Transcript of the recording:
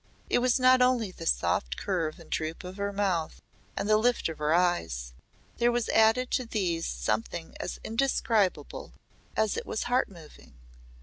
It was not only the soft curve and droop of her mouth and the lift of her eyes there was added to these something as indescribable as it was heart moving.